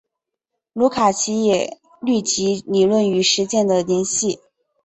卢卡奇也虑及理论与实践的联系。